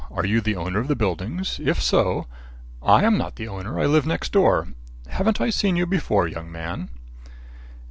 Are you the owner of the buildings? If so " "I am not the owner. I live next door. Haven't I seen you before, young man?"